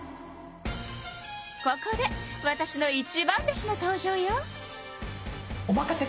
ここでわたしの一番弟子の登場よ。